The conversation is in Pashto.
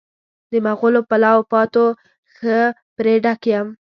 د مغلو پلاو پاتو ښه پرې ډک یم.